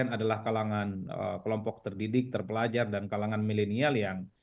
adalah kalangan kelompok terdidik terpelajar dan kalangan milenial yang